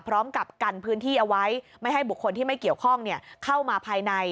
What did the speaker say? พร้อมกับกันพื้นที่เอาไว้ไม่ให้บุคคลที่ไม่เกี่ยวข้องเข้ามาภายใน